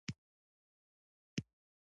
دېوال ولړزېد، څو پرله پسې توپونه تش شول.